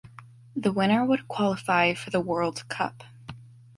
The winner would qualify for the World Cup.